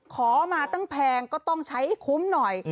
ขอมาตั้งแพงก็ต้องใช้ให้คุ้มหน่อย